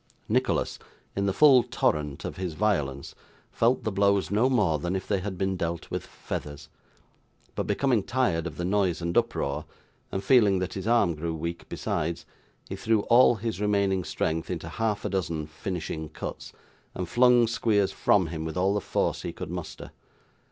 Nicholas, in the full torrent of his violence, felt the blows no more than if they had been dealt with feathers; but, becoming tired of the noise and uproar, and feeling that his arm grew weak besides, he threw all his remaining strength into half a dozen finishing cuts, and flung Squeers from him with all the force he could muster.